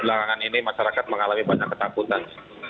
belakangan ini masyarakat mengalami banyak ketakutan